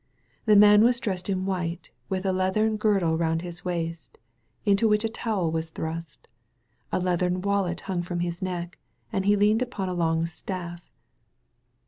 The man was dressed in white, with a leathern girdle round his waist, into which a towel was thrust. A leathern wallet hung from his neck, and he leaned upon a long staff.